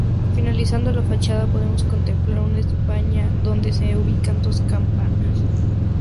Finalizando la fachada podemos contemplar una espadaña donde se ubican dos campanas.